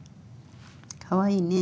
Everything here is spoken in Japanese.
かわいいね。